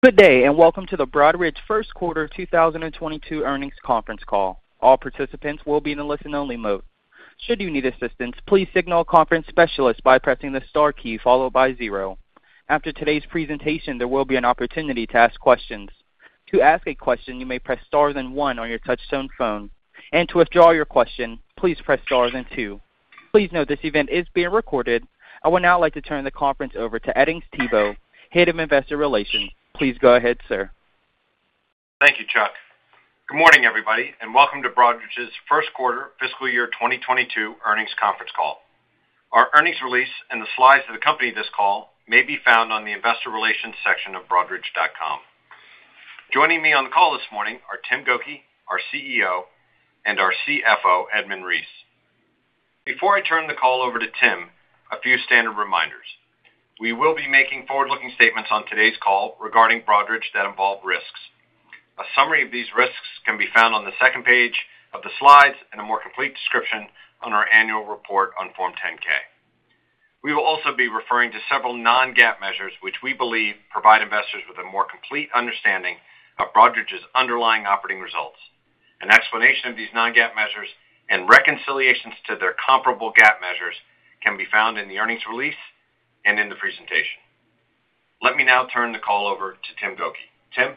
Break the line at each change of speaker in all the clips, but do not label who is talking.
Good day, and welcome to the Broadridge first quarter 2022 earnings conference call. All participants will be in a listen only mode. Should you need assistance, please signal a conference specialist by pressing the star key followed by zero. After today's presentation, there will be an opportunity to ask questions. To ask a question, you may press star then one on your touchtone phone, and to withdraw your question, please press star then two. Please note this event is being recorded. I would now like to turn the conference over to Edings Thibault, Head of Investor Relations. Please go ahead, sir.
Thank you, Chuck. Good morning, everybody, and welcome to Broadridge's first quarter fiscal year 2022 earnings conference call. Our earnings release and the slides that accompany this call may be found on the Investor Relations section of broadridge.com. Joining me on the call this morning are Tim Gokey, our CEO, and our CFO, Edmund Reese. Before I turn the call over to Tim, a few standard reminders. We will be making forward-looking statements on today's call regarding Broadridge that involve risks. A summary of these risks can be found on the second page of the slides and a more complete description on our annual report on Form 10-K. We will also be referring to several non-GAAP measures, which we believe provide investors with a more complete understanding of Broadridge's underlying operating results. An explanation of these non-GAAP measures and reconciliations to their comparable GAAP measures can be found in the earnings release and in the presentation. Let me now turn the call over to Tim Gokey. Tim.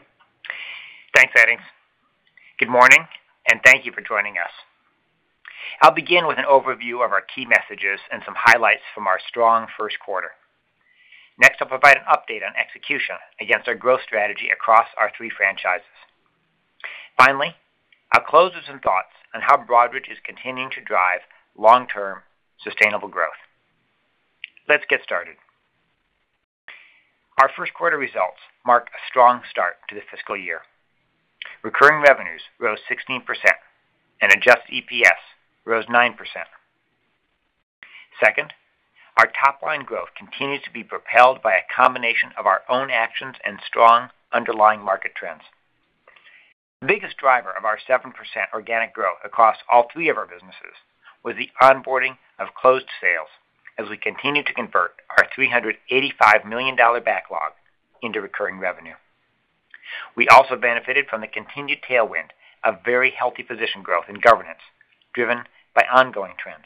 Thanks, Edings. Good morning and thank you for joining us. I'll begin with an overview of our key messages and some highlights from our strong first quarter. Next, I'll provide an update on execution against our growth strategy across our three franchises. Finally, I'll close with some thoughts on how Broadridge is continuing to drive long-term sustainable growth. Let's get started. Our first quarter results mark a strong start to the fiscal year. Recurring revenues rose 16%, and adjusted EPS rose 9%. Second, our top line growth continues to be propelled by a combination of our own actions and strong underlying market trends. The biggest driver of our 7% organic growth across all three of our businesses was the onboarding of closed sales as we continue to convert our $385 million backlog into recurring revenue. We also benefited from the continued tailwind of very healthy position growth in governance, driven by ongoing trends.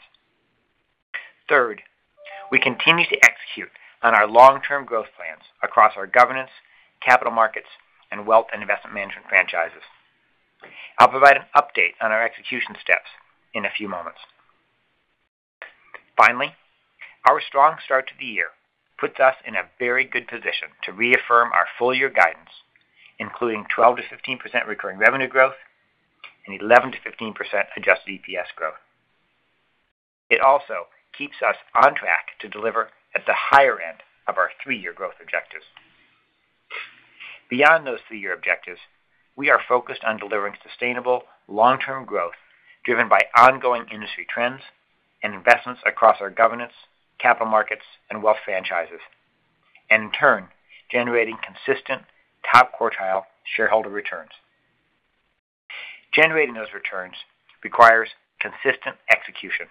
Third, we continue to execute on our long-term growth plans across our governance, capital markets, and wealth and investment management franchises. I'll provide an update on our execution steps in a few moments. Finally, our strong start to the year puts us in a very good position to reaffirm our full-year guidance, including 12%-15% recurring revenue growth and 11%-15% adjusted EPS growth. It also keeps us on track to deliver at the higher end of our three-year growth objectives. Beyond those three-year objectives, we are focused on delivering sustainable long-term growth driven by ongoing industry trends and investments across our governance, capital markets, and wealth franchises, and in turn, generating consistent top quartile shareholder returns. Generating those returns requires consistent execution.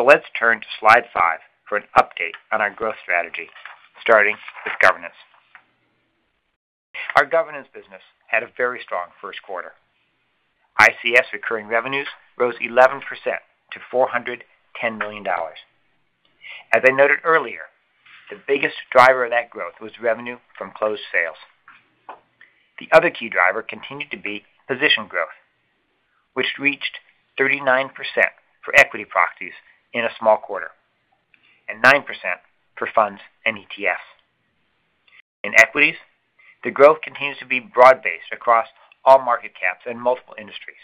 Let's turn to slide five for an update on our growth strategy, starting with governance. Our governance business had a very strong first quarter. ICS recurring revenues rose 11% to $410 million. As I noted earlier, the biggest driver of that growth was revenue from closed sales. The other key driver continued to be position growth, which reached 39% for equity proxies in a small quarter and 9% for funds and ETFs. In equities, the growth continues to be broad-based across all market caps in multiple industries.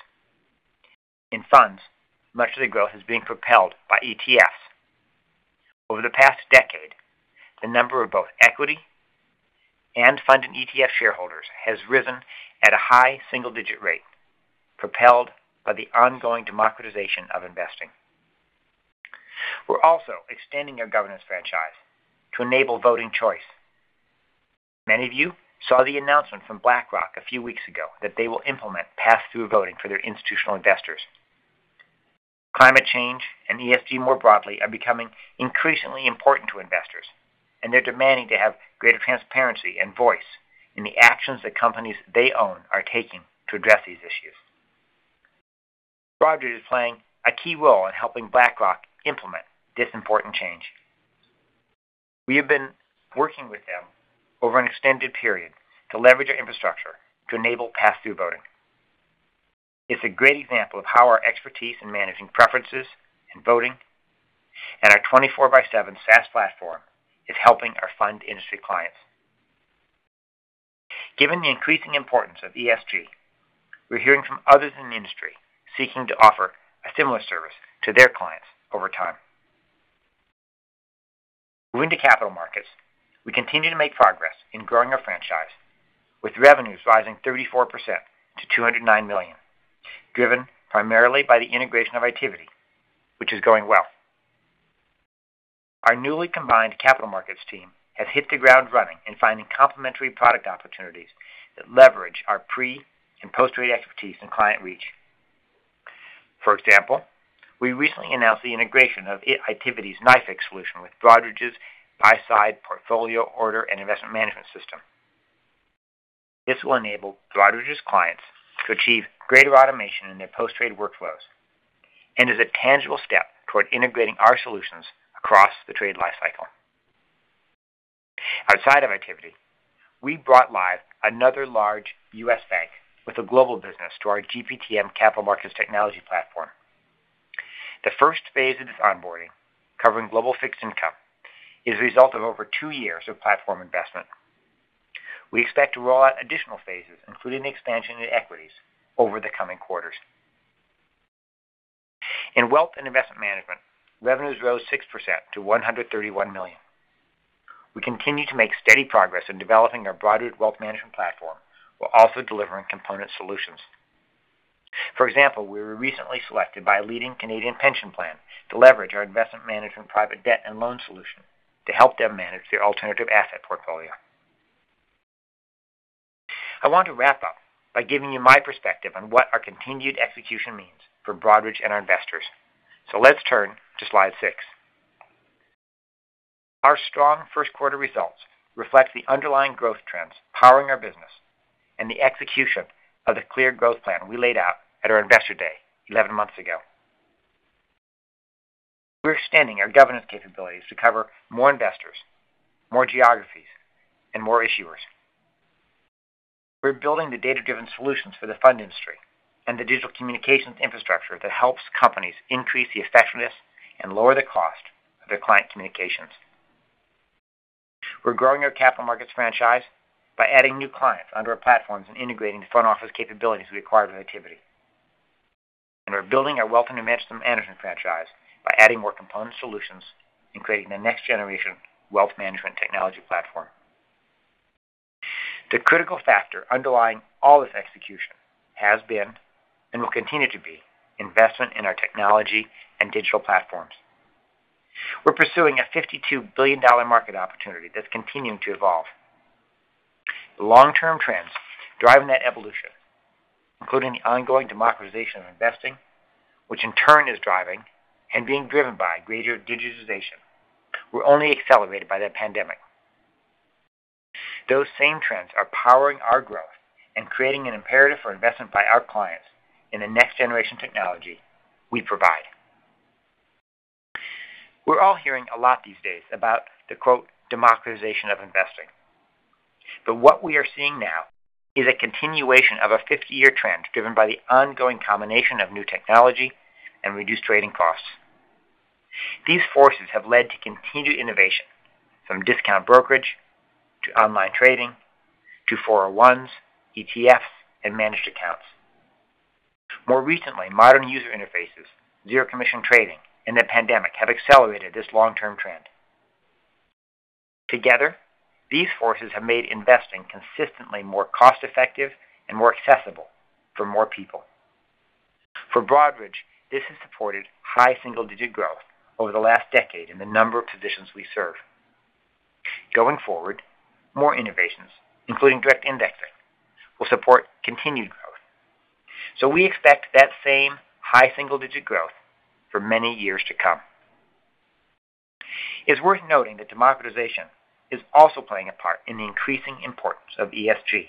In funds, much of the growth is being propelled by ETFs. Over the past decade, the number of both equity and fund and ETF shareholders has risen at a high single digit rate, propelled by the ongoing democratization of investing. We're also extending our governance franchise to enable voting choice. Many of you saw the announcement from BlackRock a few weeks ago that they will implement pass-through voting for their institutional investors. Climate change and ESG more broadly are becoming increasingly important to investors, and they're demanding to have greater transparency and voice in the actions that companies they own are taking to address these issues. Broadridge is playing a key role in helping BlackRock implement this important change. We have been working with them over an extended period to leverage our infrastructure to enable pass-through voting. It's a great example of how our expertise in managing preferences and voting and our 24/7 SaaS platform is helping our fund industry clients. Given the increasing importance of ESG, we're hearing from others in the industry seeking to offer a similar service to their clients over time. Moving to capital markets, we continue to make progress in growing our franchise, with revenues rising 34% to $209 million, driven primarily by the integration of Itiviti, which is going well. Our newly combined capital markets team has hit the ground running in finding complementary product opportunities that leverage our pre and post-trade expertise and client reach. For example, we recently announced the integration of Itiviti's NYFIX solution with Broadridge's buy-side portfolio order and investment management system. This will enable Broadridge's clients to achieve greater automation in their post-trade workflows and is a tangible step toward integrating our solutions across the trade life cycle. Outside of Itiviti, we brought live another large U.S. bank with a global business to our GPTM capital markets technology platform. The first phase of this onboarding, covering global fixed income, is a result of over two years of platform investment. We expect to roll out additional phases, including the expansion to equities, over the coming quarters. In wealth and investment management, revenues rose 6% to $131 million. We continue to make steady progress in developing our Broadridge wealth management platform while also delivering component solutions. For example, we were recently selected by a leading Canadian pension plan to leverage our investment management private debt and loan solution to help them manage their alternative asset portfolio. I want to wrap up by giving you my perspective on what our continued execution means for Broadridge and our investors. Let's turn to slide six. Our strong first quarter results reflect the underlying growth trends powering our business and the execution of the clear growth plan we laid out at our Investor Day 11 months ago. We're extending our governance capabilities to cover more investors, more geographies, and more issuers. We're building the data-driven solutions for the fund industry and the digital communications infrastructure that helps companies increase the effectiveness and lower the cost of their client communications. We're growing our capital markets franchise by adding new clients under our platforms and integrating the front office capabilities we acquired with Itiviti. We're building our wealth management franchise by adding more component solutions and creating the next-generation wealth management technology platform. The critical factor underlying all this execution has been and will continue to be investment in our technology and digital platforms. We're pursuing a $52 billion market opportunity that's continuing to evolve. The long-term trends driving that evolution, including the ongoing democratization of investing, which in turn is driving and being driven by greater digitization, were only accelerated by the pandemic. Those same trends are powering our growth and creating an imperative for investment by our clients in the next-generation technology we provide. We're all hearing a lot these days about the quote, democratization of investing. What we are seeing now is a continuation of a 50-year trend driven by the ongoing combination of new technology and reduced trading costs. These forces have led to continued innovation from discount brokerage to online trading to 401(k)s, ETFs, and managed accounts. More recently, modern user interfaces, zero commission trading, and the pandemic have accelerated this long-term trend. Together, these forces have made investing consistently more cost-effective and more accessible for more people. For Broadridge, this has supported high single-digit growth over the last decade in the number of positions we serve. Going forward, more innovations, including direct indexing, will support continued growth. We expect that same high single-digit growth for many years to come. It's worth noting that democratization is also playing a part in the increasing importance of ESG,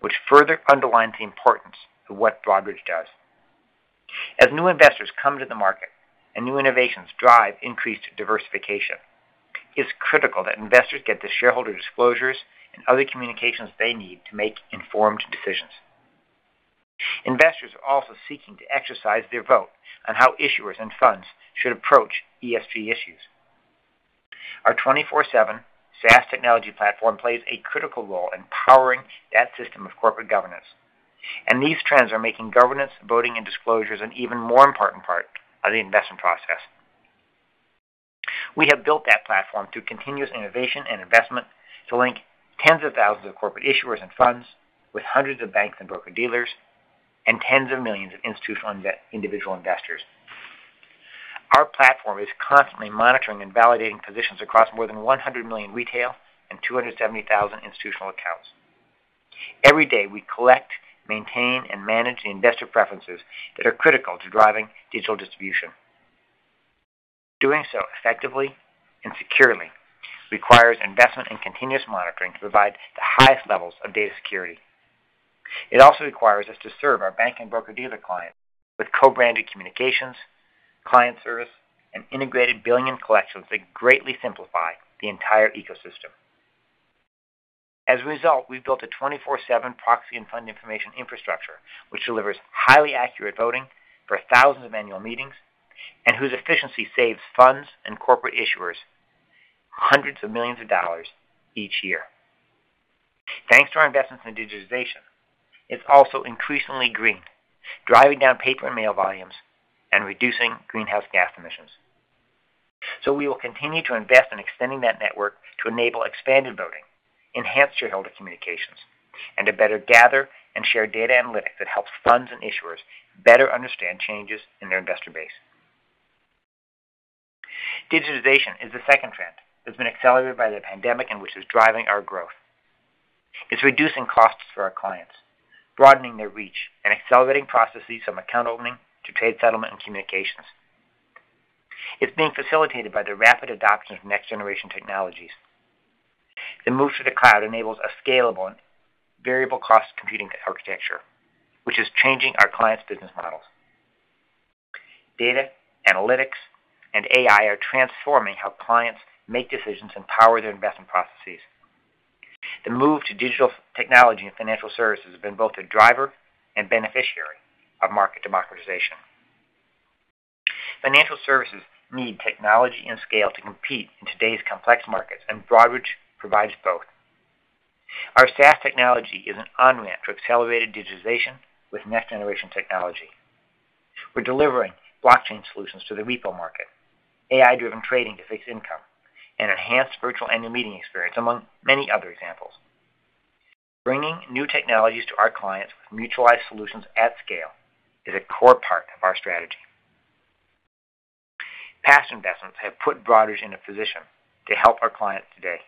which further underlines the importance of what Broadridge does. As new investors come to the market and new innovations drive increased diversification, it's critical that investors get the shareholder disclosures and other communications they need to make informed decisions. Investors are also seeking to exercise their vote on how issuers and funds should approach ESG issues. Our 24/7 SaaS technology platform plays a critical role in powering that system of corporate governance, and these trends are making governance, voting, and disclosures an even more important part of the investment process. We have built that platform through continuous innovation and investment to link tens of thousands of corporate issuers and funds with hundreds of banks and broker-dealers and tens of millions of institutional individual investors. Our platform is constantly monitoring and validating positions across more than 100 million retail and 270,000 institutional accounts. Every day, we collect, maintain, and manage the investor preferences that are critical to driving digital distribution. Doing so effectively and securely requires investment and continuous monitoring to provide the highest levels of data security. It also requires us to serve our bank and broker-dealer clients with co-branded communications, client service, and integrated billing and collections that greatly simplify the entire ecosystem. As a result, we've built a 24/7 proxy and fund information infrastructure, which delivers highly accurate voting for thousands of annual meetings and whose efficiency saves funds and corporate issuers hundreds of millions of dollars each year. Thanks to our investments in digitization, it's also increasingly green, driving down paper and mail volumes and reducing greenhouse gas emissions. We will continue to invest in extending that network to enable expanded voting, enhance shareholder communications, and to better gather and share data analytics that helps funds and issuers better understand changes in their investor base. Digitization is the second trend that's been accelerated by the pandemic, and which is driving our growth. It's reducing costs for our clients, broadening their reach, and accelerating processes from account opening to trade settlement and communications. It's being facilitated by the rapid adoption of next-generation technologies. The move to the cloud enables a scalable and variable cost computing architecture, which is changing our clients' business models. Data, analytics, and AI are transforming how clients make decisions and power their investment processes. The move to digital technology and financial services has been both a driver and beneficiary of market democratization. Financial services need technology and scale to compete in today's complex markets, and Broadridge provides both. Our SaaS technology is an on-ramp to accelerated digitization with next-generation technology. We're delivering blockchain solutions to the repo market, AI-driven trading to fixed income, and enhanced virtual annual meeting experience, among many other examples. Bringing new technologies to our clients with mutualized solutions at scale is a core part of our strategy. Past investments have put Broadridge in a position to help our clients today.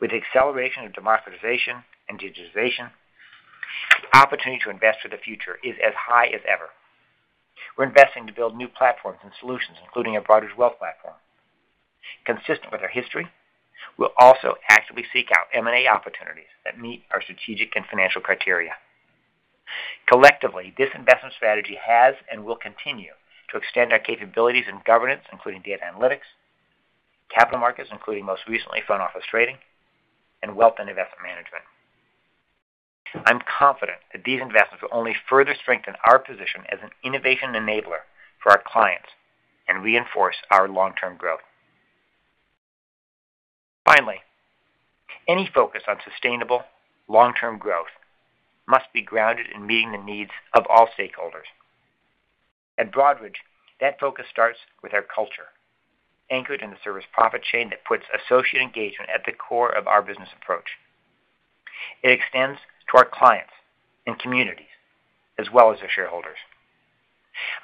With the acceleration of democratization and digitization, the opportunity to invest for the future is as high as ever. We're investing to build new platforms and solutions, including a Broadridge wealth platform. Consistent with our history, we'll also actively seek out M&A opportunities that meet our strategic and financial criteria. Collectively, this investment strategy has and will continue to extend our capabilities in governance, including data analytics, capital markets, including most recently front-office trading, and wealth and investment management. I'm confident that these investments will only further strengthen our position as an innovation enabler for our clients and reinforce our long-term growth. Finally, any focus on sustainable long-term growth must be grounded in meeting the needs of all stakeholders. At Broadridge, that focus starts with our culture, anchored in the service profit chain that puts associate engagement at the core of our business approach. It extends to our clients and communities, as well as our shareholders.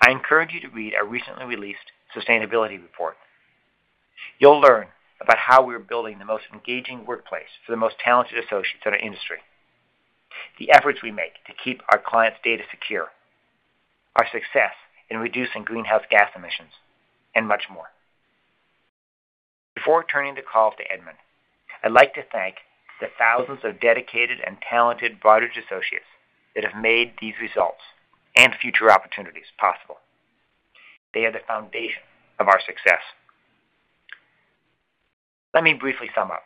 I encourage you to read our recently released sustainability report. You'll learn about how we're building the most engaging workplace for the most talented associates in our industry, the efforts we make to keep our clients' data secure, our success in reducing greenhouse gas emissions, and much more. Before turning the call to Edmund, I'd like to thank the thousands of dedicated and talented Broadridge associates that have made these results and future opportunities possible. They are the foundation of our success. Let me briefly sum up.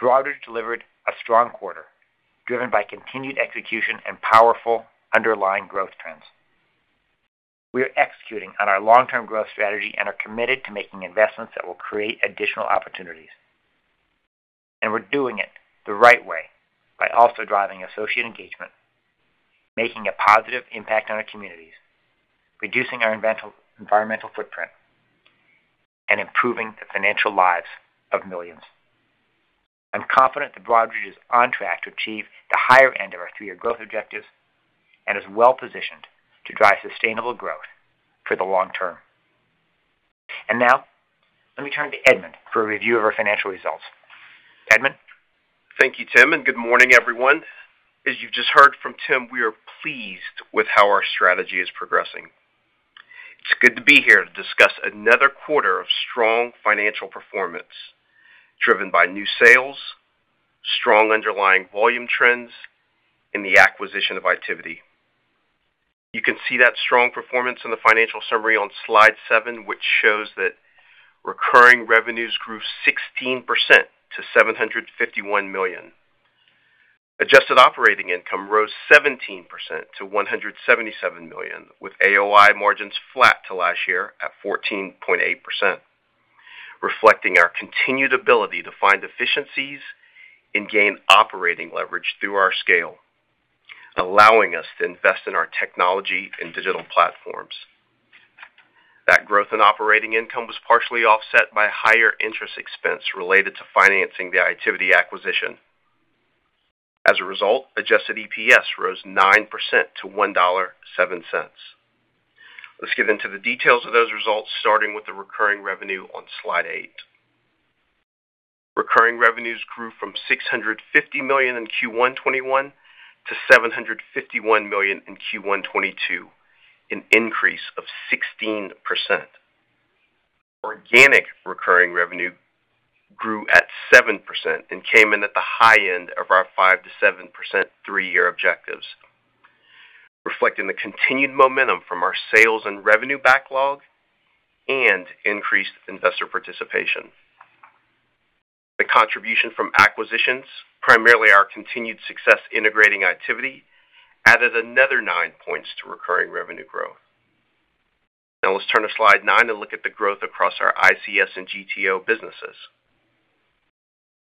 Broadridge delivered a strong quarter, driven by continued execution and powerful underlying growth trends. We are executing on our long-term growth strategy and are committed to making investments that will create additional opportunities. We're doing it the right way by also driving associate engagement, making a positive impact on our communities, reducing our environmental footprint, and improving the financial lives of millions. I'm confident that Broadridge is on track to achieve the higher end of our three-year growth objectives and is well-positioned to drive sustainable growth for the long term. Now, let me turn to Edmund for a review of our financial results. Edmund?
Thank you, Tim, and good morning, everyone. As you just heard from Tim, we are pleased with how our strategy is progressing. It's good to be here to discuss another quarter of strong financial performance driven by new sales, strong underlying volume trends, and the acquisition of Itiviti. You can see that strong performance in the financial summary on slide seven, which shows that recurring revenues grew 16% to $751 million. Adjusted operating income rose 17% to $177 million, with AOI margins flat to last year at 14.8%, reflecting our continued ability to find efficiencies and gain operating leverage through our scale, allowing us to invest in our technology and digital platforms. That growth in operating income was partially offset by higher interest expense related to financing the Itiviti acquisition. As a result, adjusted EPS rose 9% to $1.07. Let's get into the details of those results, starting with the recurring revenue on slide eight. Recurring revenues grew from $650 million in Q1 2021 to $751 million in Q1 2022, an increase of 16%. Organic recurring revenue grew at 7% and came in at the high end of our 5%-7% three-year objectives, reflecting the continued momentum from our sales and revenue backlog and increased investor participation. The contribution from acquisitions, primarily our continued success integrating Itiviti, added another 9 points to recurring revenue growth. Now let's turn to slide nine and look at the growth across our ICS and GTO businesses.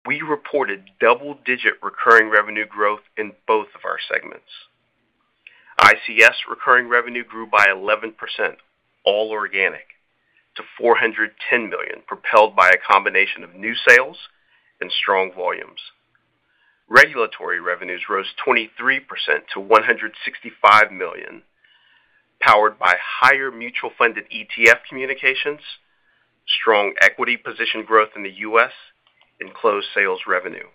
We reported double-digit recurring revenue growth in both of our segments. ICS recurring revenue grew by 11%, all organic, to $410 million, propelled by a combination of new sales and strong volumes. Regulatory revenues rose 23% to $165 million, powered by higher mutual funded ETF communications, strong equity position growth in the U.S., and closed sales revenue.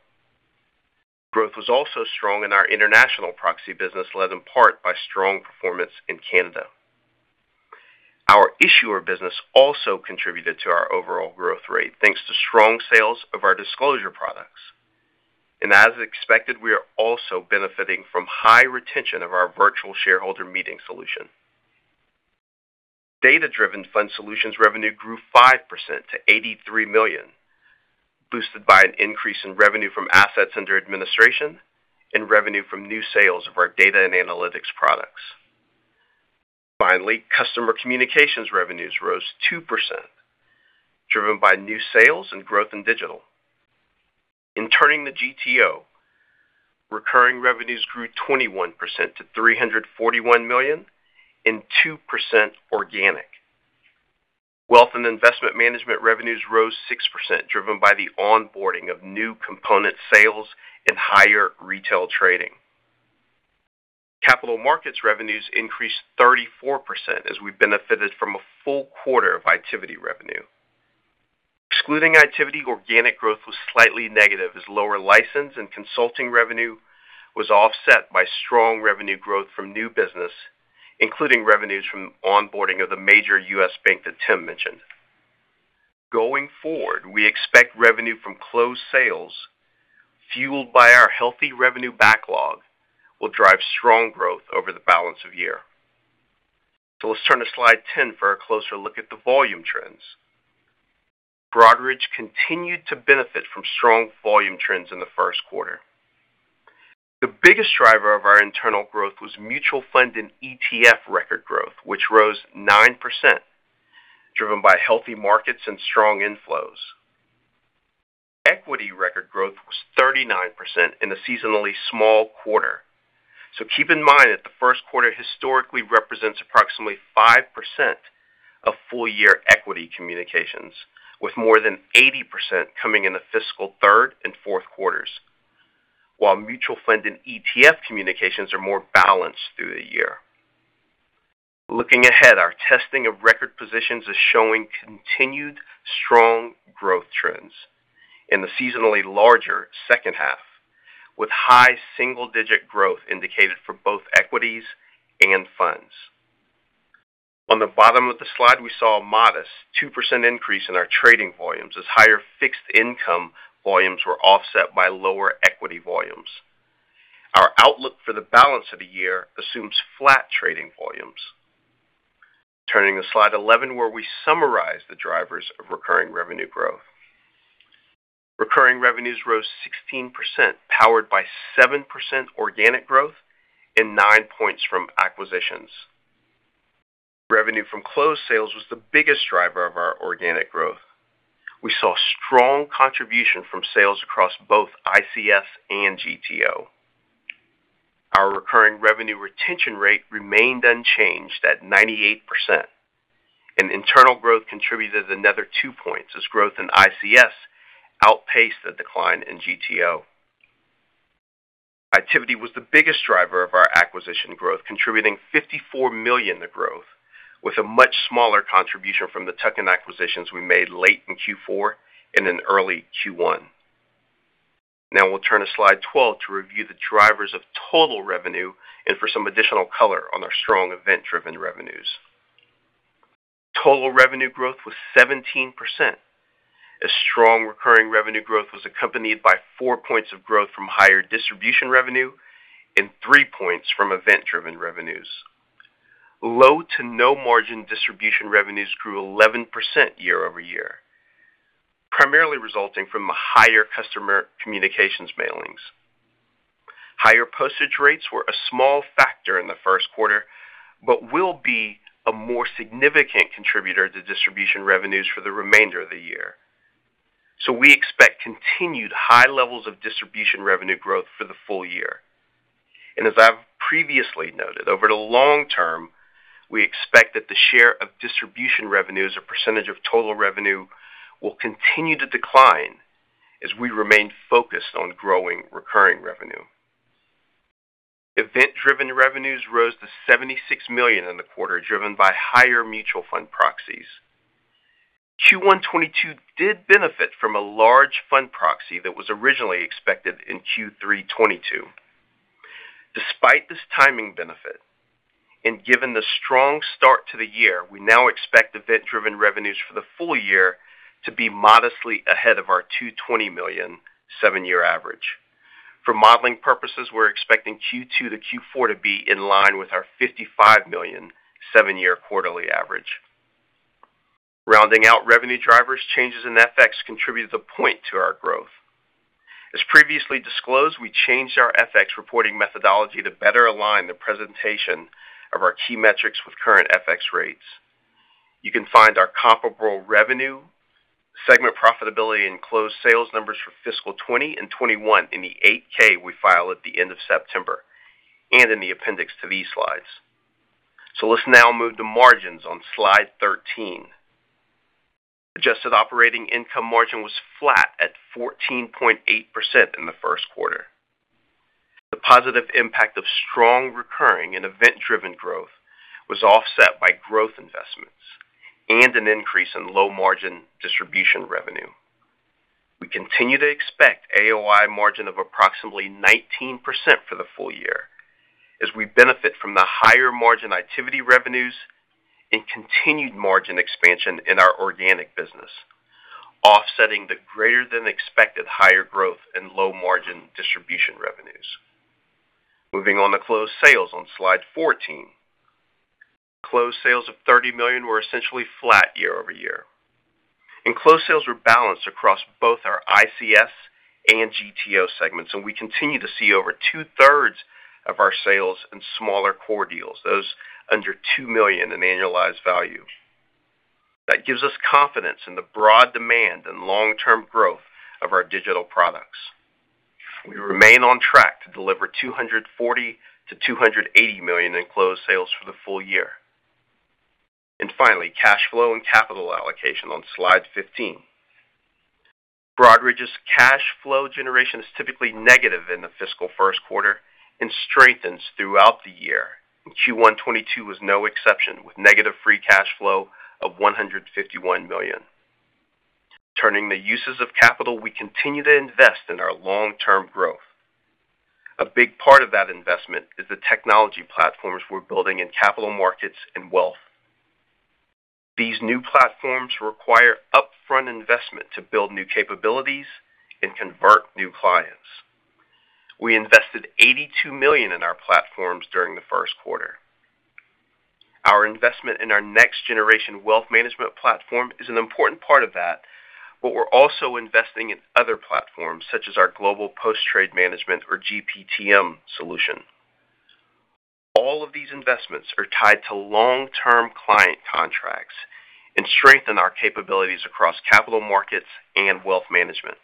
Growth was also strong in our international proxy business, led in part by strong performance in Canada. Our issuer business also contributed to our overall growth rate, thanks to strong sales of our disclosure products. As expected, we are also benefiting from high retention of our virtual shareholder meeting solution. Data-driven fund solutions revenue grew 5% to $83 million, boosted by an increase in revenue from assets under administration and revenue from new sales of our data and analytics products. Finally, customer communications revenues rose 2%, driven by new sales and growth in digital. Turning to the GTO, recurring revenues grew 21% to $341 million and 2% organic. Wealth and investment management revenues rose 6%, driven by the onboarding of new component sales and higher retail trading. Capital markets revenues increased 34% as we benefited from a full quarter of Itiviti revenue. Excluding Itiviti, organic growth was slightly negative as lower license and consulting revenue was offset by strong revenue growth from new business, including revenues from onboarding of the major U.S. bank that Tim mentioned. Going forward, we expect revenue from closed sales fueled by our healthy revenue backlog will drive strong growth over the balance of year. Let's turn to slide 10 for a closer look at the volume trends. Broadridge continued to benefit from strong volume trends in the first quarter. The biggest driver of our internal growth was mutual fund and ETF record growth, which rose 9%, driven by healthy markets and strong inflows. Equity record growth was 39% in a seasonally small quarter. Keep in mind that the first quarter historically represents approximately 5% of full-year equity communications, with more than 80% coming in the fiscal third and fourth quarters, while mutual fund and ETF communications are more balanced through the year. Looking ahead, our testing of record positions is showing continued strong growth trends in the seasonally larger second half, with high single-digit growth indicated for both equities and funds. On the bottom of the slide, we saw a modest 2% increase in our trading volumes as higher fixed income volumes were offset by lower equity volumes. Our outlook for the balance of the year assumes flat trading volumes. Turning to slide 11, where we summarize the drivers of recurring revenue growth. Recurring revenues rose 16%, powered by 7% organic growth and 9 points from acquisitions. Revenue from closed sales was the biggest driver of our organic growth. We saw strong contribution from sales across both ICS and GTO. Our recurring revenue retention rate remained unchanged at 98%, and internal growth contributed another 2 points as growth in ICS outpaced the decline in GTO. Itiviti was the biggest driver of our acquisition growth, contributing $54 million to growth, with a much smaller contribution from the tuck-in acquisitions we made late in Q4 and in early Q1. Now we'll turn to slide 12 to review the drivers of total revenue and for some additional color on our strong event-driven revenues. Total revenue growth was 17%, as strong recurring revenue growth was accompanied by 4 points of growth from higher distribution revenue and 3 points from event-driven revenues. Low to no margin distribution revenues grew 11% year-over-year, primarily resulting from higher customer communications mailings. Higher postage rates were a small factor in the first quarter but will be a more significant contributor to distribution revenues for the remainder of the year. We expect continued high levels of distribution revenue growth for the full year. As I've previously noted, over the long term, we expect that the share of distribution revenues or percentage of total revenue will continue to decline as we remain focused on growing recurring revenue. Event-driven revenues rose to $76 million in the quarter, driven by higher mutual fund proxies. Q1 2022 did benefit from a large fund proxy that was originally expected in Q3 2022. Despite this timing benefit, and given the strong start to the year, we now expect event-driven revenues for the full year to be modestly ahead of our $220 million seven-year average. For modeling purposes, we're expecting Q2 to Q4 to be in line with our $55 million seven-year quarterly average. Rounding out revenue drivers, changes in FX contributed a point to our growth. As previously disclosed, we changed our FX reporting methodology to better align the presentation of our key metrics with current FX rates. You can find our comparable revenue, segment profitability, and closed sales numbers for fiscal 2020 and 2021 in the Form 8-K we filed at the end of September, and in the appendix to these slides. Let's now move to margins on slide 13. Adjusted operating income margin was flat at 14.8% in the first quarter. The positive impact of strong recurring and event-driven growth was offset by growth investments and an increase in low margin distribution revenue. We continue to expect AOI margin of approximately 19% for the full year as we benefit from the higher margin activity revenues and continued margin expansion in our organic business, offsetting the greater than expected higher growth and low margin distribution revenues. Moving on to closed sales on slide 14. Closed sales of $30 million were essentially flat year-over-year. Closed sales were balanced across both our ICS and GTO segments, and we continue to see over 2/3 of our sales in smaller core deals, those under $2 million in annualized value. That gives us confidence in the broad demand and long-term growth of our digital products. We remain on track to deliver $240 million-$280 million in closed sales for the full year. Finally, cash flow and capital allocation on slide 15. Broadridge's cash flow generation is typically negative in the fiscal first quarter and strengthens throughout the year. Q1 2022 was no exception, with negative free cash flow of $151 million. Turning the uses of capital, we continue to invest in our long-term growth. A big part of that investment is the technology platforms we're building in capital markets and wealth. These new platforms require upfront investment to build new capabilities and convert new clients. We invested $82 million in our platforms during the first quarter. Our investment in our next generation wealth management platform is an important part of that, but we're also investing in other platforms, such as our Global Post-Trade Management or GPTM solution. All of these investments are tied to long-term client contracts and strengthen our capabilities across capital markets and wealth management.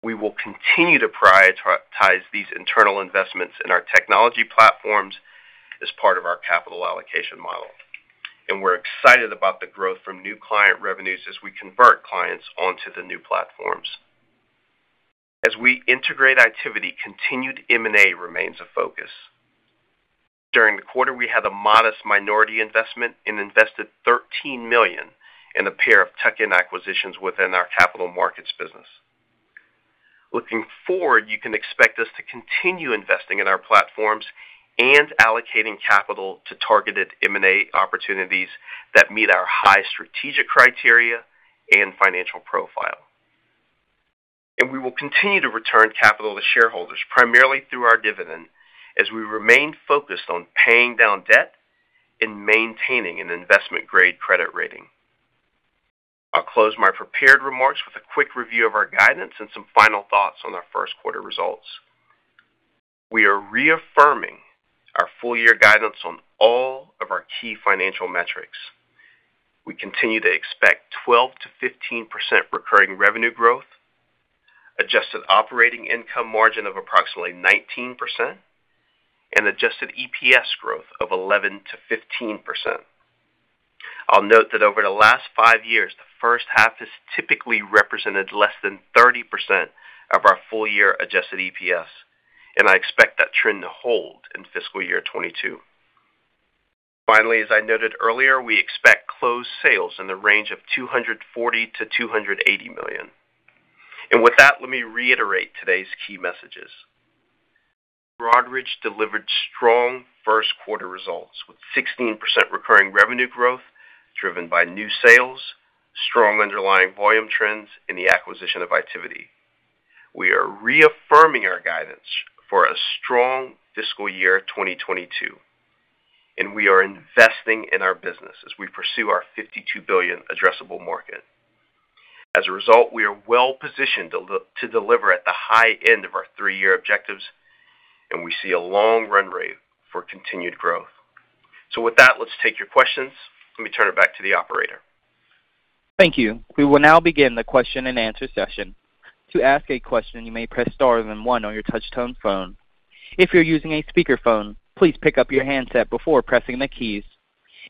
We will continue to prioritize these internal investments in our technology platforms as part of our capital allocation model, and we're excited about the growth from new client revenues as we convert clients onto the new platforms. As we integrate activity, continued M&A remains a focus. During the quarter, we had a modest minority investment and invested $13 million in a pair of tuck-in acquisitions within our capital markets business. Looking forward, you can expect us to continue investing in our platforms and allocating capital to targeted M&A opportunities that meet our high strategic criteria and financial profile. We will continue to return capital to shareholders primarily through our dividend as we remain focused on paying down debt and maintaining an investment-grade credit rating. I'll close my prepared remarks with a quick review of our guidance and some final thoughts on our first quarter results. We are reaffirming our full-year guidance on all of our key financial metrics. We continue to expect 12%-15% recurring revenue growth, adjusted operating income margin of approximately 19%, and adjusted EPS growth of 11%-15%. I'll note that over the last five years, the first half has typically represented less than 30% of our full-year adjusted EPS, and I expect that trend to hold in fiscal year 2022. Finally, as I noted earlier, we expect closed sales in the range of $240 million-$280 million. With that, let me reiterate today's key messages. Broadridge delivered strong first quarter results with 16% recurring revenue growth driven by new sales, strong underlying volume trends, and the acquisition of Itiviti. We are reaffirming our guidance for a strong fiscal year 2022, and we are investing in our business as we pursue our $52 billion addressable market. As a result, we are well positioned to deliver at the high end of our three-year objectives, and we see a long run rate for continued growth. With that, let's take your questions. Let me turn it back to the operator.
Thank you. We will now begin the question-and-answer session. To ask a question, you may press star then one on your touch tone phone. If you're using a speakerphone, please pick up your handset before pressing the keys.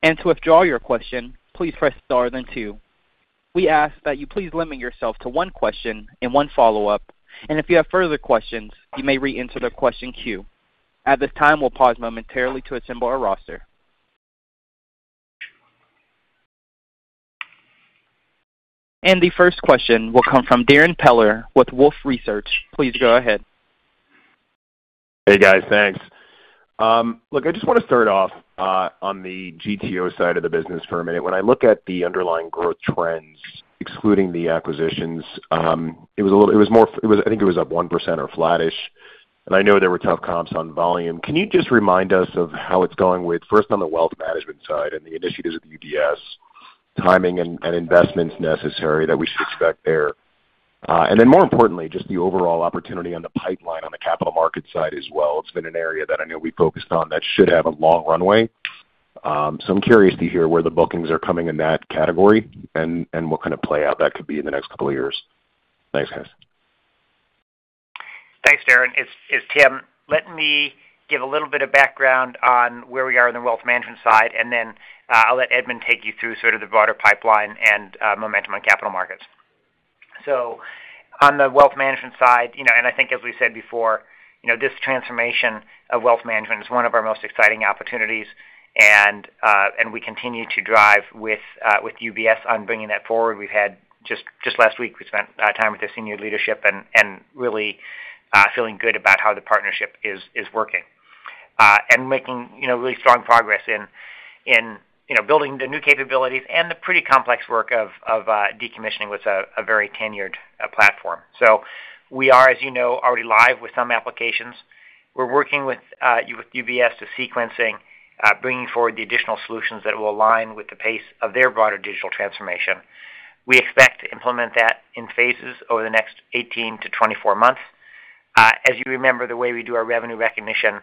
To withdraw your question, please press star then two. We ask that you please limit yourself to one question and one follow-up. If you have further questions, you may reenter the question queue. At this time, we'll pause momentarily to assemble our roster. The first question will come from Darrin Peller with Wolfe Research. Please go ahead.
Hey, guys. Thanks. Look, I just want to start off on the GTO side of the business for a minute. When I look at the underlying growth trends, excluding the acquisitions, it was up 1% or flattish, and I know there were tough comps on volume. Can you just remind us of how it's going with first on the wealth management side and the initiatives with UBS timing and investments necessary that we should expect there? And then more importantly, just the overall opportunity on the pipeline on the capital market side as well. It's been an area that I know we focused on that should have a long runway. I'm curious to hear where the bookings are coming in that category and what kind of play out that could be in the next couple of years. Thanks, guys.
Thanks, Darrin. It's Tim. Let me give a little bit of background on where we are in the wealth management side, and then I'll let Edmund take you through sort of the broader pipeline and momentum on capital markets. On the wealth management side, you know, and I think as we said before, you know, this transformation of wealth management is one of our most exciting opportunities. We continue to drive with UBS on bringing that forward. We've had just last week, we spent time with their senior leadership and really feeling good about how the partnership is working. And making, you know, really strong progress in, you know, building the new capabilities and the pretty complex work of decommissioning what's a very tenured platform. We are, as you know, already live with some applications. We're working with UBS bringing forward the additional solutions that will align with the pace of their broader digital transformation. We expect to implement that in phases over the next 18-24 months. As you remember, the way we do our revenue recognition,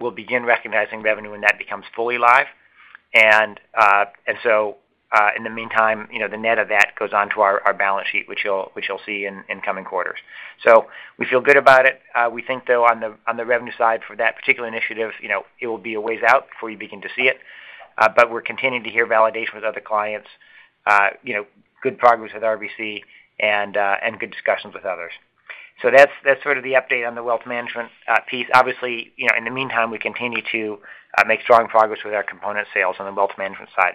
we'll begin recognizing revenue when that becomes fully live. In the meantime, you know, the net of that goes onto our balance sheet, which you'll see in coming quarters. We feel good about it. We think, though, on the revenue side for that particular initiative, you know, it will be a ways out before you begin to see it. We're continuing to hear validation with other clients, you know, good progress with RBC and good discussions with others. That's sort of the update on the wealth management piece. Obviously, you know, in the meantime, we continue to make strong progress with our component sales on the wealth management side.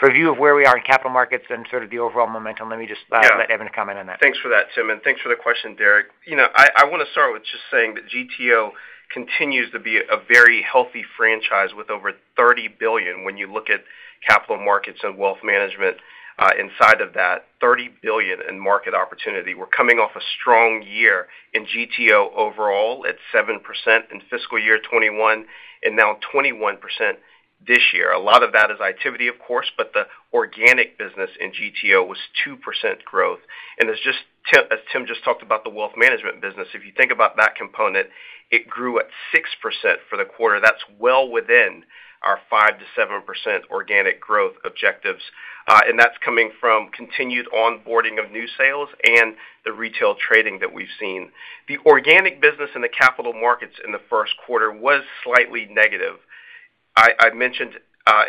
For a view of where we are in capital markets and sort of the overall momentum, let me just.
Yeah.
Let Edmund comment on that.
Thanks for that, Tim, and thanks for the question, Darrin. You know, I wanna start with just saying that GTO continues to be a very healthy franchise with over $30 billion when you look at capital markets and wealth management inside of that $30 billion in market opportunity. We're coming off a strong year in GTO overall at 7% in fiscal year 2021 and now 21% this year. A lot of that is Itiviti, of course, but the organic business in GTO was 2% growth. As Tim just talked about the wealth management business, if you think about that component, it grew at 6% for the quarter. That's well within our 5%-7% organic growth objectives. That's coming from continued onboarding of new sales and the retail trading that we've seen. The organic business in the capital markets in the first quarter was slightly negative. I mentioned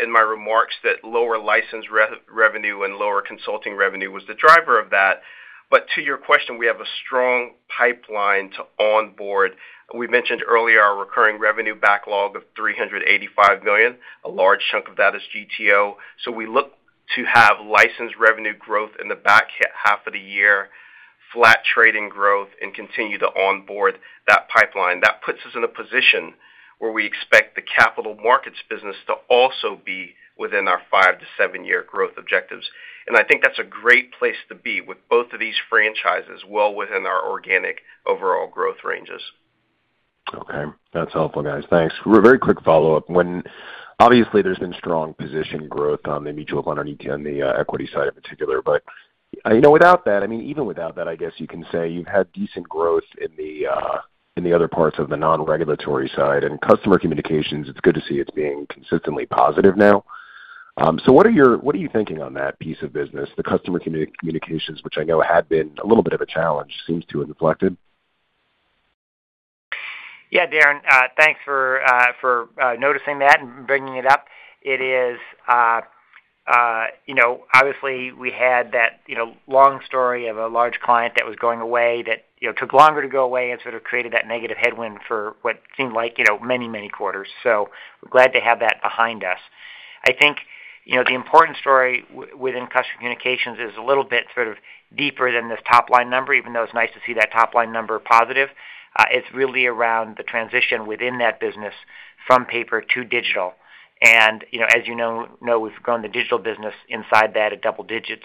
in my remarks that lower license revenue and lower consulting revenue was the driver of that. To your question, we have a strong pipeline to onboard. We mentioned earlier our recurring revenue backlog of $385 million. A large chunk of that is GTO. We look to have licensed revenue growth in the back half of the year, flat trading growth, and continue to onboard that pipeline. That puts us in a position where we expect the capital markets business to also be within our 5%-7% year growth objectives. I think that's a great place to be with both of these franchises well within our organic overall growth ranges.
Okay. That's helpful, guys. Thanks. Very quick follow-up. Obviously there's been strong position growth on the mutual fund on the equity side in particular. You know, without that, I mean, even without that, I guess you can say you've had decent growth in the other parts of the non-regulatory side. Customer communications, it's good to see it's being consistently positive now. What are you thinking on that piece of business, the customer communications, which I know had been a little bit of a challenge, seems to have inflected?
Yeah, Darrin, thanks for noticing that and bringing it up. It is, you know, obviously we had that, you know, long story of a large client that was going away that, you know, took longer to go away and sort of created that negative headwind for what seemed like, you know, many, many quarters. We're glad to have that behind us. I think, you know, the important story within customer communications is a little bit sort of deeper than this top line number, even though it's nice to see that top line number positive. It's really around the transition within that business from paper to digital. You know, as you know, we've grown the digital business inside that at double digits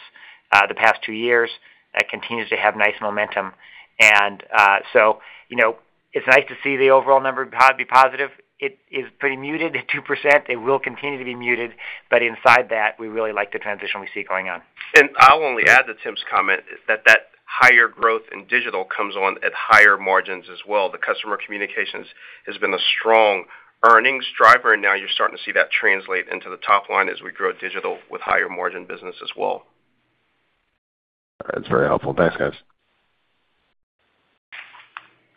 the past two years. That continues to have nice momentum. You know, it's nice to see the overall number be positive. It is pretty muted at 2%. It will continue to be muted. Inside that, we really like the transition we see going on.
I'll only add to Tim's comment that higher growth in digital comes on at higher margins as well. The customer communications has been a strong earnings driver, and now you're starting to see that translate into the top line as we grow digital with higher margin business as well.
That's very helpful. Thanks, guys.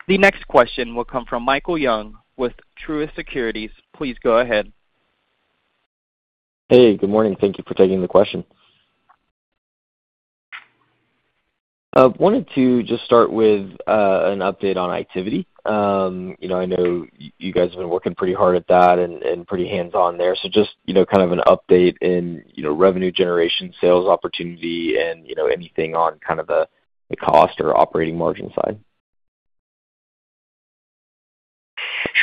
The next question will come from Michael Young with Truist Securities. Please go ahead.
Hey, good morning. Thank you for taking the question. Wanted to just start with an update on Itiviti. You know, I know you guys have been working pretty hard at that and pretty hands-on there. So just, you know, kind of an update in, you know, revenue generation, sales opportunity and, you know, anything on kind of the cost or operating margin side.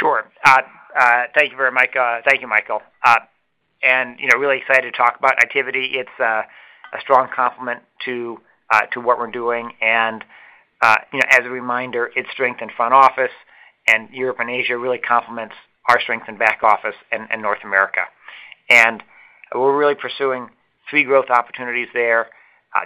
Sure. Thank you, Michael. You know, really excited to talk about Itiviti. It's a strong complement to what we're doing. You know, as a reminder, its strength in front office and Europe and Asia really complements our strength in back office in North America. We're really pursuing three growth opportunities there.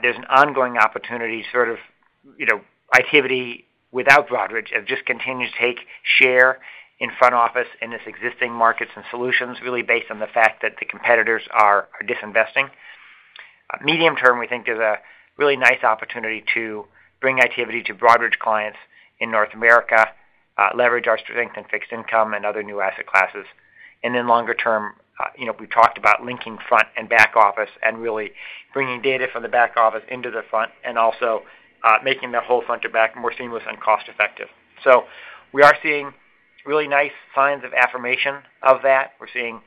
There's an ongoing opportunity. You know, Itiviti without Broadridge have just continued to take share in front office in its existing markets and solutions, really based on the fact that the competitors are disinvesting. Medium term, we think there's a really nice opportunity to bring Itiviti to Broadridge clients in North America, leverage our strength in fixed income and other new asset classes. Longer term, you know, we talked about linking front and back office and really bringing data from the back office into the front and also, making that whole front to back more seamless and cost effective. We are seeing really nice signs of affirmation of that. We're seeing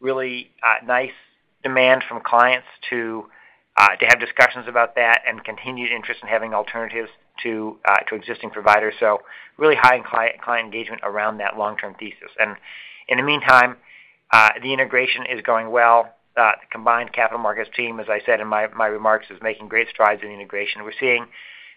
really, nice demand from clients to have discussions about that and continued interest in having alternatives to existing providers. Really high in client engagement around that long-term thesis. In the meantime, the integration is going well. The combined capital markets team, as I said in my remarks, is making great strides in integration. We're seeing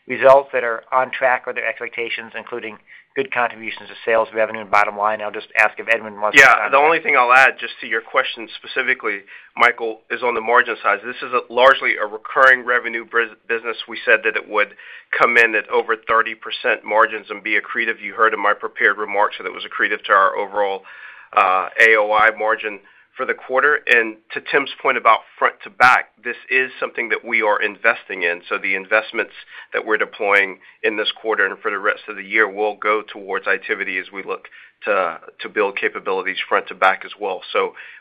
results that are on track with their expectations, including good contributions to sales revenue and bottom line. I'll just ask if Edmund wants to comment.
Yeah. The only thing I'll add, just to your question specifically, Michael, is on the margin side. This is largely a recurring revenue business. We said that it would come in at over 30% margins and be accretive. You heard in my prepared remarks that it was accretive to our overall AOI margin for the quarter. To Tim's point about front to back, this is something that we are investing in. The investments that we're deploying in this quarter and for the rest of the year will go towards Itiviti as we look to build capabilities front to back as well.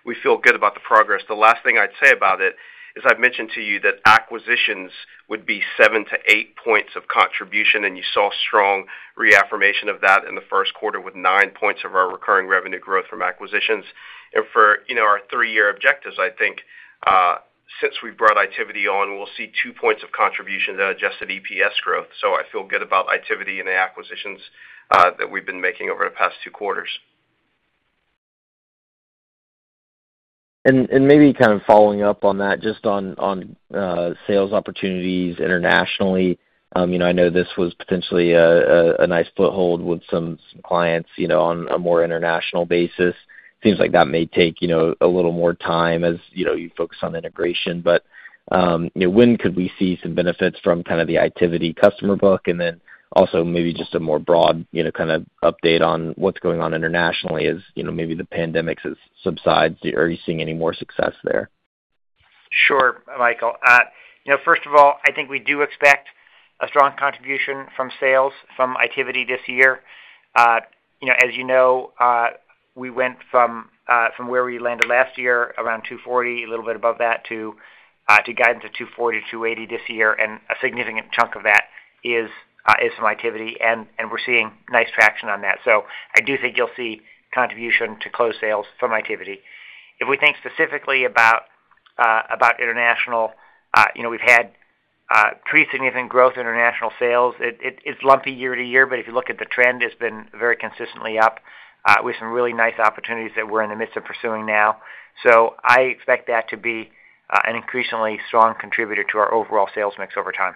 We feel good about the progress. The last thing I'd say about it is I've mentioned to you that acquisitions would be 7-8 points of contribution, and you saw strong reaffirmation of that in the first quarter with 9 points of our recurring revenue growth from acquisitions. For, you know, our three-year objectives, I think, since we've brought Itiviti on, we'll see 2 points of contribution to adjusted EPS growth. I feel good about Itiviti and the acquisitions that we've been making over the past two quarters.
Maybe kind of following up on that, just on sales opportunities internationally, you know, I know this was potentially a nice foothold with some clients, you know, on a more international basis. Seems like that may take, you know, a little more time as, you know, you focus on integration. But you know, when could we see some benefits from kind of the Itiviti customer book? And then also maybe just a more broad, you know, kind of update on what's going on internationally as, you know, maybe the pandemic subsides. Are you seeing any more success there?
Sure, Michael. You know, first of all, I think we do expect a strong contribution from sales from Itiviti this year. You know, as you know, we went from where we landed last year, around $240 million, a little bit above that, to guide into $240 million-$280 million this year, and a significant chunk of that is from Itiviti, and we're seeing nice traction on that. I do think you'll see contribution to close sales from Itiviti. If we think specifically about international, you know, we've had pretty significant growth in international sales. It is lumpy year to year, but if you look at the trend, it's been very consistently up with some really nice opportunities that we're in the midst of pursuing now. I expect that to be an increasingly strong contributor to our overall sales mix over time.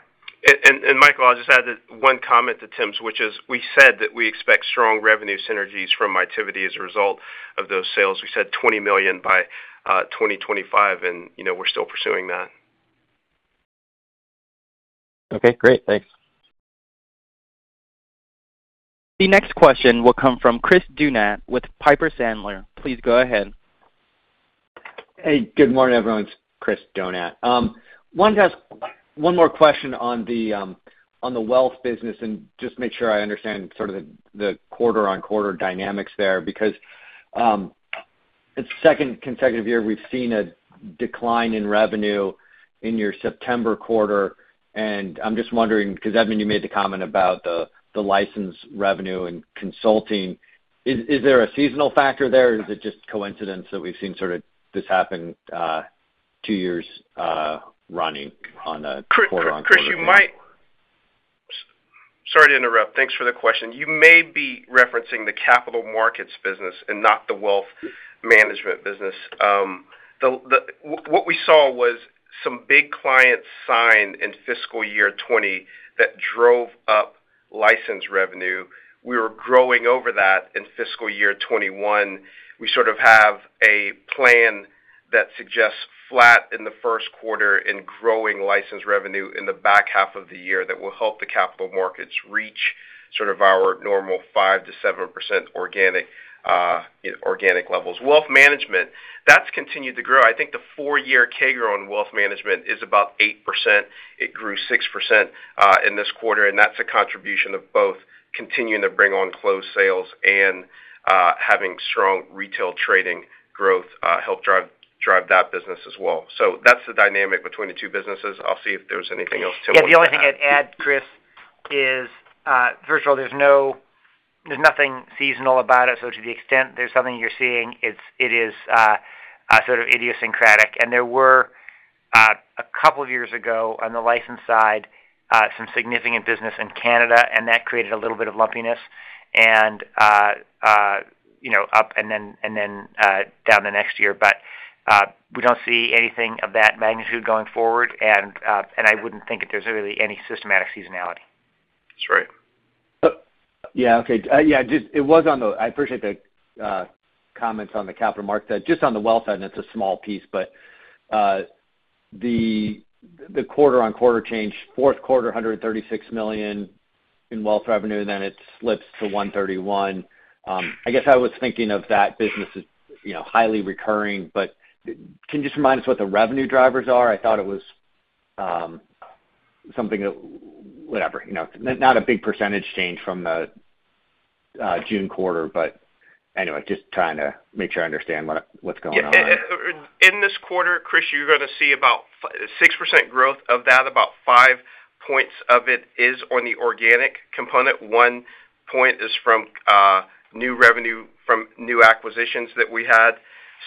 Michael, I'll just add one comment to Tim's, which is we said that we expect strong revenue synergies from Itiviti as a result of those sales. We said $20 million by 2025, and you know, we're still pursuing that.
Okay, great. Thanks.
The next question will come from Chris Donat with Piper Sandler. Please go ahead.
Hey, good morning, everyone. It's Chris Donat. Wanted to ask one more question on the wealth business and just make sure I understand sort of the quarter-on-quarter dynamics there. It's the second consecutive year we've seen a decline in revenue in your September quarter, and I'm just wondering, because Edmund, you made the comment about the license revenue and consulting. Is there a seasonal factor there, or is it just coincidence that we've seen sort of this happen two years running on a quarter-on-quarter view?
Chris, sorry to interrupt. Thanks for the question. You may be referencing the capital markets business and not the wealth management business. What we saw was some big clients sign in fiscal year 2020 that drove up licensed revenue. We were growing over that in fiscal year 2021. We sort of have a plan that suggests flat in the first quarter in growing licensed revenue in the back half of the year that will help the capital markets reach sort of our normal 5%-7% organic levels. Wealth management, that's continued to grow. I think the four-year CAGR on wealth management is about 8%. It grew 6% in this quarter, and that's a contribution of both continuing to bring on closed sales and having strong retail trading growth help drive that business as well. That's the dynamic between the two businesses. I'll see if there's anything else Tim wanted to add.
Yeah. The only thing I'd add, Chris, is, first of all, there's nothing seasonal about it. To the extent there's something you're seeing, it is sort of idiosyncratic. There were a couple of years ago on the license side some significant business in Canada, and that created a little bit of lumpiness and, you know, up and then down the next year. We don't see anything of that magnitude going forward. I wouldn't think that there's really any systematic seasonality.
That's right.
I appreciate the comments on the capital market. Just on the wealth end, it's a small piece, but the quarter-on-quarter change, fourth quarter, $136 million in wealth revenue, then it slips to $131 million. I guess I was thinking of that business as, you know, highly recurring. Can you just remind us what the revenue drivers are? I thought it was something that, whatever, you know, not a big percentage change from the June quarter. Anyway, just trying to make sure I understand what's going on there.
Yeah. In this quarter, Chris, you're gonna see about 6% growth. Of that, about 5 points of it is on the organic component. 1 point is from new revenue from new acquisitions that we had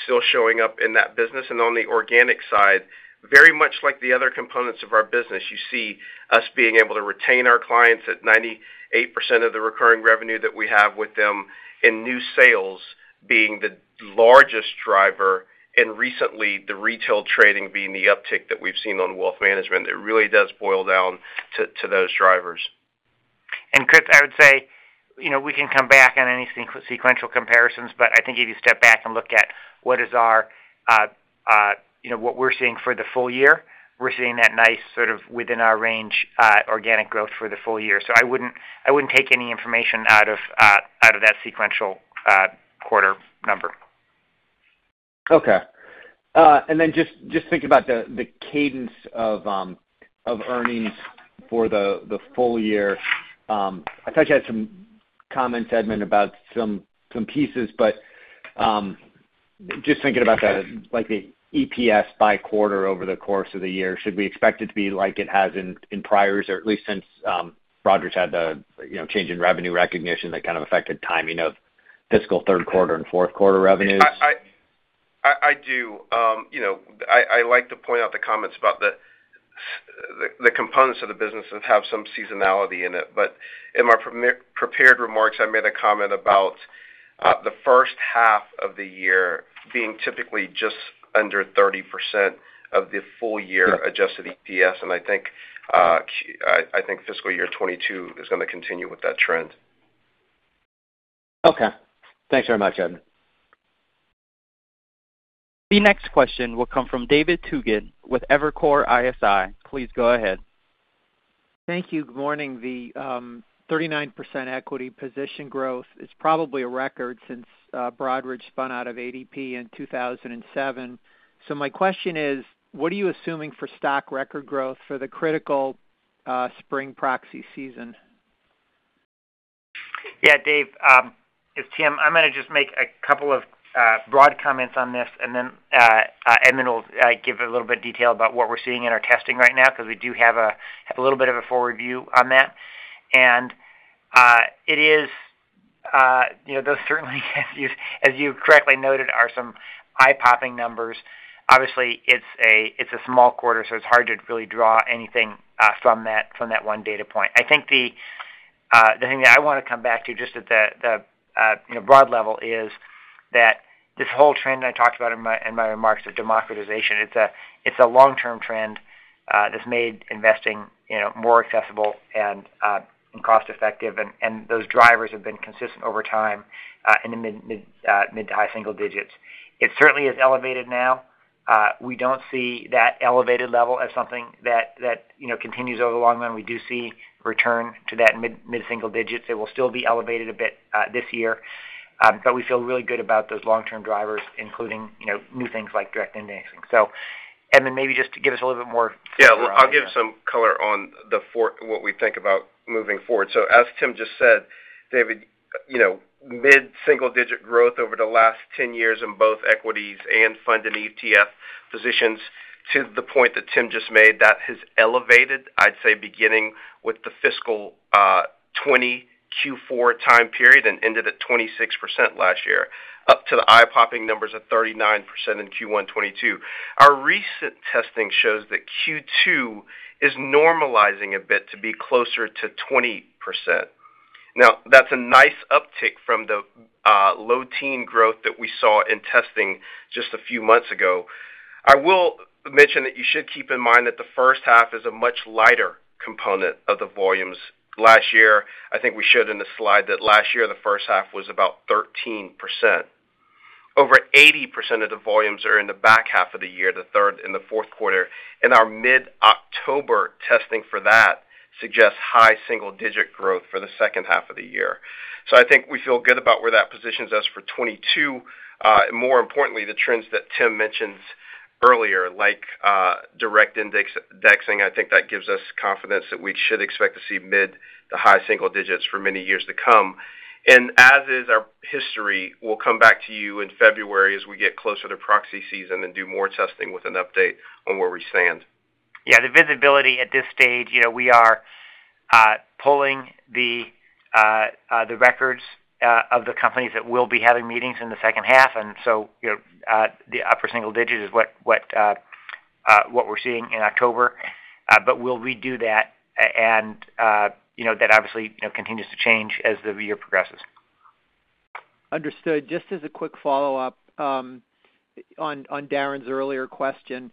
still showing up in that business. On the organic side, very much like the other components of our business, you see us being able to retain our clients at 98% of the recurring revenue that we have with them, and new sales being the largest driver, and recently, the retail trading being the uptick that we've seen on wealth management. It really does boil down to those drivers.
Chris, I would say, you know, we can come back on any sequential comparisons, but I think if you step back and look at what we're seeing for the full year, we're seeing that nice sort of within our range, organic growth for the full year. I wouldn't take any information out of that sequential quarter number.
Okay. Just thinking about the cadence of earnings for the full year. I thought you had some comments, Edmund, about some pieces. Just thinking about that, like the EPS by quarter over the course of the year, should we expect it to be like it has in priors, or at least since Broadridge had the, you know, change in revenue recognition that kind of affected timing of fiscal third quarter and fourth quarter revenues?
I do. You know, I like to point out the comments about the components of the business that have some seasonality in it. In my prepared remarks, I made a comment about the first half of the year being typically just under 30% of the full year adjusted EPS. I think fiscal year 2022 is gonna continue with that trend.
Okay. Thanks very much, Edmund.
The next question will come from David Togut with Evercore ISI. Please go ahead.
Thank you. Good morning. The 39% equity position growth is probably a record since Broadridge spun out of ADP in 2007. My question is, what are you assuming for stock record growth for the critical spring proxy season?
Yeah, Dave, it's Tim. I'm gonna just make a couple of broad comments on this, and then Edmund will give a little bit of detail about what we're seeing in our testing right now because we do have a little bit of a forward view on that. It is, you know, those certainly, as you correctly noted, are some eye-popping numbers. Obviously, it's a small quarter, so it's hard to really draw anything from that one data point. I think the thing that I want to come back to just at the, you know, broad level is that this whole trend I talked about in my remarks of democratization, it's a long-term trend that's made investing, you know, more accessible and cost-effective. Those drivers have been consistent over time in the mid to high single digits. It certainly is elevated now. We don't see that elevated level as something that you know continues over the long run. We do see return to that mid-single digits. It will still be elevated a bit this year. We feel really good about those long-term drivers, including you know new things like direct indexing. Edmund, maybe just to give us a little bit more color on that.
I'll give some color on what we think about moving forward. As Tim just said, David, you know, mid-single-digit growth over the last 10 years in both equities and fund and ETF positions to the point that Tim just made, that has elevated, I'd say, beginning with the fiscal 2020 Q4 time period and ended at 26% last year, up to the eye-popping numbers of 39% in Q1 2022. Our recent testing shows that Q2 is normalizing a bit to be closer to 20%. That's a nice uptick from the low-teens growth that we saw in testing just a few months ago. I will mention that you should keep in mind that the first half is a much lighter component of the volumes. Last year, I think we showed in the slide that last year, the first half was about 13%. Over 80% of the volumes are in the back half of the year, the third and the fourth quarter. Our mid-October testing for that suggests high single-digit growth for the second half of the year. I think we feel good about where that positions us for 2022. More importantly, the trends that Tim mentioned earlier, like, direct indexing, I think that gives us confidence that we should expect to see mid-to-high single digits for many years to come. As is our history, we'll come back to you in February as we get closer to proxy season and do more testing with an update on where we stand.
Yeah, the visibility at this stage, you know, we are pulling the records of the companies that will be having meetings in the second half. You know, the upper single digit is what we're seeing in October. We'll redo that. You know, that obviously, you know, continues to change as the year progresses.
Understood. Just as a quick follow-up on Darrin's earlier question.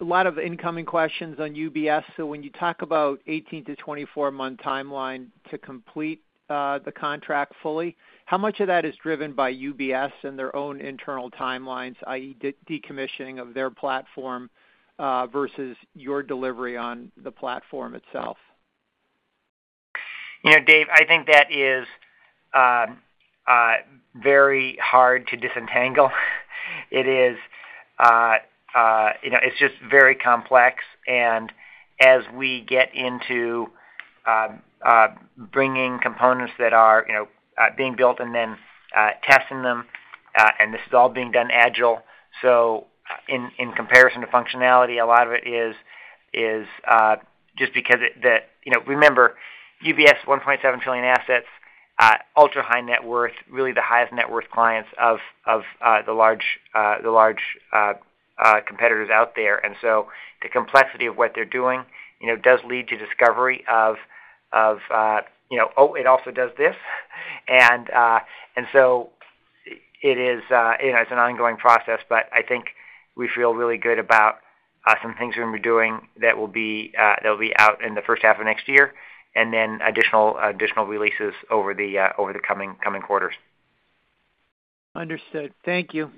A lot of incoming questions on UBS. When you talk about 18-24-month timeline to complete the contract fully, how much of that is driven by UBS and their own internal timelines, i.e., decommissioning of their platform versus your delivery on the platform itself?
You know, Dave, I think that is very hard to disentangle. It is, you know, it's just very complex. As we get into bringing components that are, you know, being built and then testing them, and this is all being done agile. In comparison to functionality, a lot of it is just because that, you know. Remember, UBS $1.7 trillion assets, ultra-high net worth, really the highest net worth clients of the large competitors out there. The complexity of what they're doing, you know, does lead to discovery of, you know, oh, it also does this. It is, you know, it's an ongoing process, but I think we feel really good about some things we're going to be doing that will be, that'll be out in the first half of next year, and then additional releases over the coming quarters.
Understood. Thank you.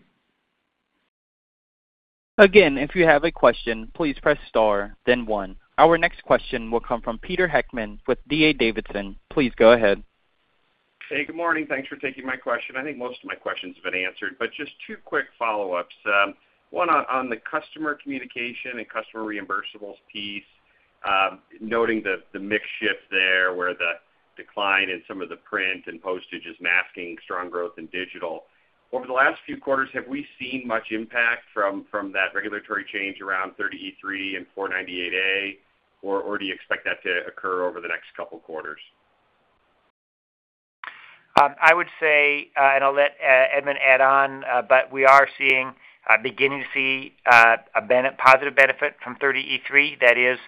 Again, if you have a question, please press star then one. Our next question will come from Peter Heckmann with D.A. Davidson. Please go ahead.
Hey, good morning. Thanks for taking my question. I think most of my questions have been answered, but just two quick follow-ups. One on the customer communication and customer reimbursables piece, noting the mix shift there, where the decline in some of the print and postage is masking strong growth in digital. Over the last few quarters, have we seen much impact from that regulatory change around 30e-3 and 498A, or do you expect that to occur over the next couple quarters?
I would say I'll let Edmund add on, but we are beginning to see a positive benefit from 30e-3 that is,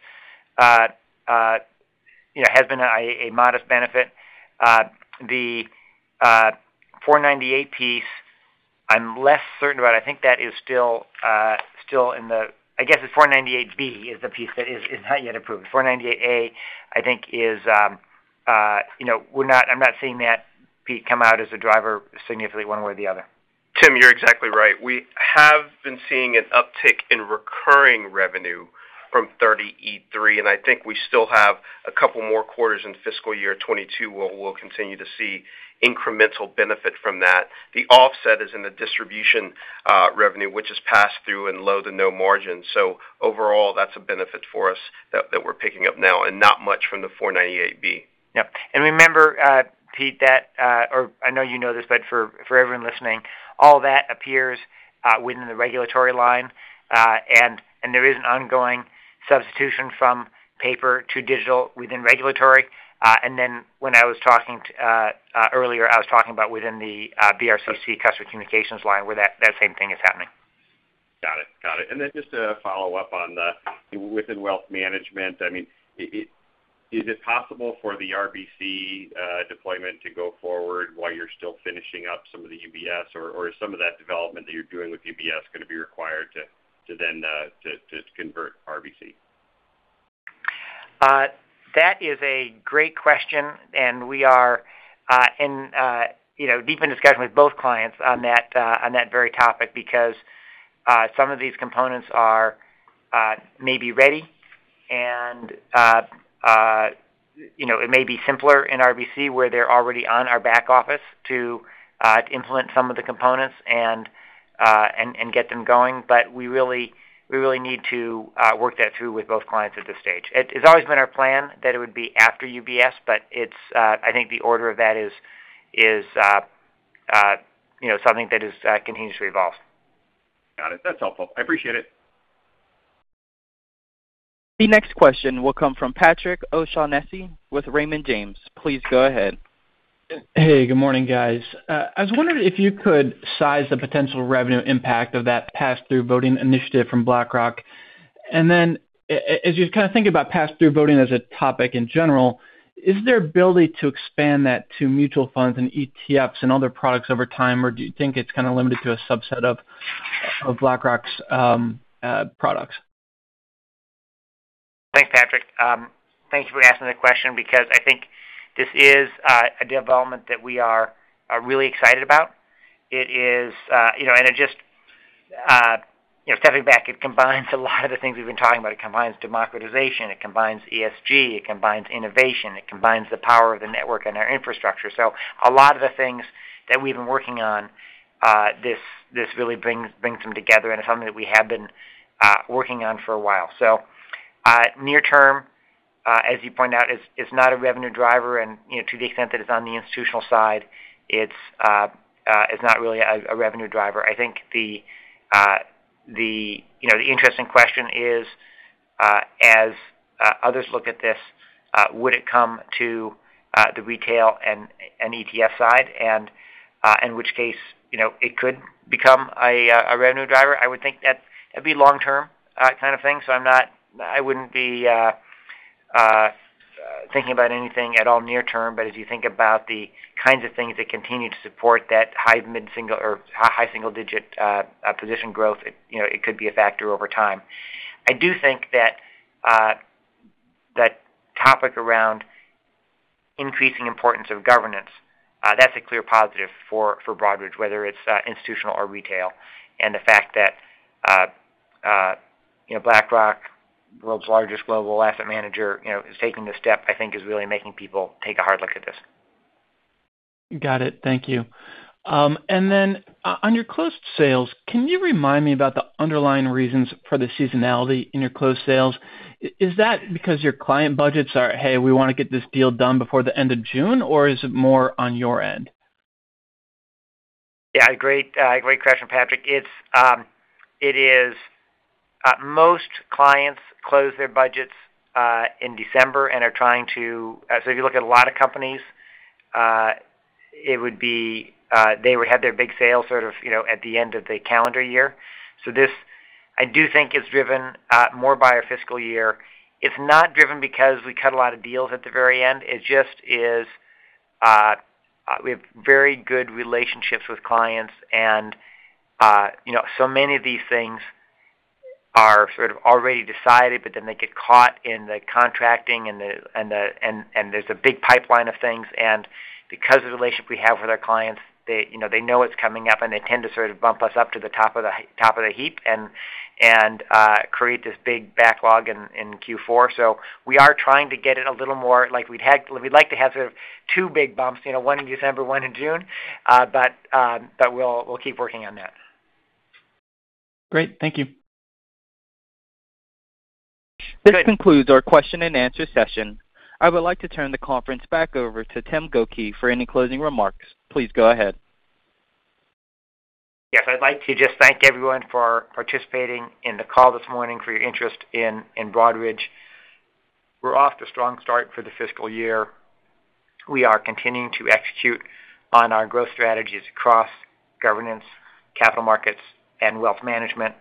you know, has been a modest benefit. The 498 piece, I'm less certain about. I think that is still in the, I guess, the 498B is the piece that is not yet approved. 498A, I think is, you know, we're not, I'm not seeing that piece come out as a driver significantly one way or the other.
Tim, you're exactly right. We have been seeing an uptick in recurring revenue from 30e-3, and I think we still have a couple more quarters in fiscal year 2022 where we'll continue to see incremental benefit from that. The offset is in the distribution revenue, which is passed through in low to no margin. Overall, that's a benefit for us that we're picking up now and not much from the 498B.
Yeah. Remember, Pete, that or I know you know this, but for everyone listening, all that appears within the regulatory line. There is an ongoing substitution from paper to digital within regulatory. When I was talking earlier, I was talking about within the BRCC customer communications line, where that same thing is happening.
Got it. Then just a follow-up on the within wealth management. I mean, is it possible for the RBC deployment to go forward while you're still finishing up some of the UBS, or is some of that development that you're doing with UBS going to be required to then convert RBC?
That is a great question, and we are in, you know, deep in discussion with both clients on that very topic, because some of these components are maybe ready and, you know, it may be simpler in RBC, where they're already on our back office to implement some of the components and get them going. We really need to work that through with both clients at this stage. It's always been our plan that it would be after UBS, but I think the order of that is, you know, something that is continuously evolved.
Got it. That's helpful. I appreciate it.
The next question will come from Patrick O'Shaughnessy with Raymond James. Please go ahead.
Hey, good morning, guys. I was wondering if you could size the potential revenue impact of that pass-through voting initiative from BlackRock. As you kind of think about pass-through voting as a topic in general, is there ability to expand that to mutual funds and ETFs and other products over time, or do you think it's kind of limited to a subset of BlackRock's products?
Thanks, Patrick. Thank you for asking that question because I think this is a development that we are really excited about. It is, you know, and it just, you know, stepping back, it combines a lot of the things we've been talking about. It combines democratization, it combines ESG, it combines innovation, it combines the power of the network and our infrastructure. A lot of the things that we've been working on, this really brings them together and it's something that we have been working on for a while. Near term, as you point out, is not a revenue driver. You know, to the extent that it's on the institutional side, it's not really a revenue driver. I think the you know the interesting question is as others look at this would it come to the retail and ETF side and in which case you know it could become a revenue driver. I would think that it'd be long-term kind of thing. I wouldn't be thinking about anything at all near term. As you think about the kinds of things that continue to support that high mid-single or high single digit position growth it you know it could be a factor over time. I do think that topic around increasing importance of governance, that's a clear positive for Broadridge, whether it's institutional or retail, and the fact that you know, BlackRock, the world's largest global asset manager, you know, is taking this step, I think is really making people take a hard look at this.
Got it. Thank you. On your closed sales, can you remind me about the underlying reasons for the seasonality in your closed sales? Is that because your client budgets are, "Hey, we wanna get this deal done before the end of June," or is it more on your end?
Great question, Patrick. It is most clients close their budgets in December and are trying to. If you look at a lot of companies, it would be they would have their big sale sort of, you know, at the end of the calendar year. This, I do think, is driven more by our fiscal year. It is not driven because we cut a lot of deals at the very end. It just is we have very good relationships with clients and, you know, so many of these things are sort of already decided, but then they get caught in the contracting, and there's a big pipeline of things. Because of the relationship we have with our clients, they, you know, they know it's coming up, and they tend to sort of bump us up to the top of the heap and create this big backlog in Q4. We are trying to get it a little more like we'd had. We'd like to have sort of two big bumps, you know, one in December, one in June. But we'll keep working on that.
Great. Thank you.
This concludes our question-and-answer session. I would like to turn the conference back over to Tim Gokey for any closing remarks. Please go ahead.
Yes. I'd like to just thank everyone for participating in the call this morning, for your interest in Broadridge. We're off to a strong start for the fiscal year. We are continuing to execute on our growth strategies across governance, capital markets, and wealth management.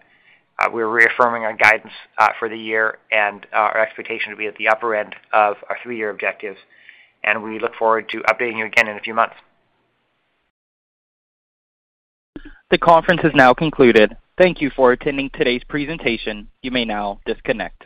We're reaffirming our guidance for the year and our expectation to be at the upper end of our three-year objectives, and we look forward to updating you again in a few months.
The conference has now concluded. Thank you for attending today's presentation. You may now disconnect.